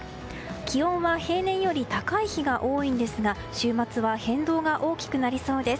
気温は平年より高い日が多いんですが週末は変動が大きくなりそうです。